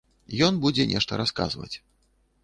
Ён будзе нешта расказваць.